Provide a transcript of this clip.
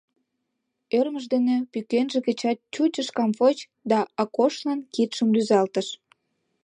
Ӧрмыж дене пӱкенже гычат чуч ыш камвоч да Акошлан кидшым рӱзалтыш.